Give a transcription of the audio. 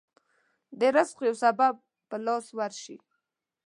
د رزق يو سبب په لاس ورشي.